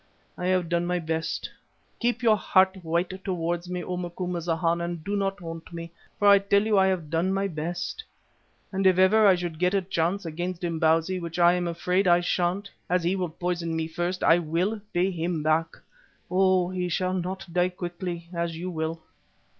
I have done my best. Keep your heart white towards me, O Macumazana, and do not haunt me, for I tell you I have done my best, and if ever I should get a chance against Imbozwi, which I am afraid I shan't, as he will poison me first, I will pay him back. Oh! he shall not die quickly as you will."